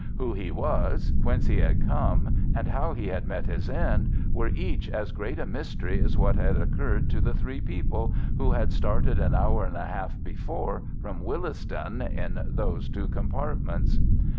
Who he was, whence he had come, and how he had met his end were each as great a mystery as what had occurred to the three people who had started an hour and a half before from Willesden in those two compartments.